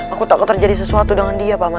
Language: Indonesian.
aku takut terjadi sesuatu dengan dia paman